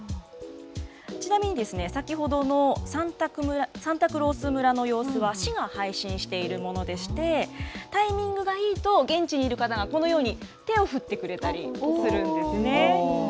ちなみに先ほどのサンタクロース村の様子は、市が配信しているものでして、タイミングがいいと、現地にいる方が、このように、手を振ってくれたりするんですね。